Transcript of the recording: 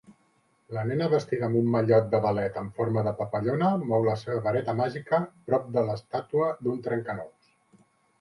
La nena vestida amb un mallot de ballet en forma de papallona mou la seva vareta màgica prop de la estàtua d'un trencanous